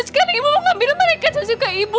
sekarang ibu mau ambil mereka sesuka ibu